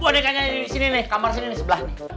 di sini nih kamar sini nih sebelah nih